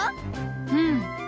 うん。